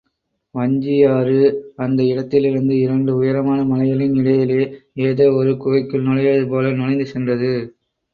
வஞ்சியாறு அந்த இடத்திலிருந்து இரண்டு உயரமான மலைகளின் இடையிலே ஏதோ ஒரு குகைக்குள் நுழைவது போல நுழைந்து சென்றது.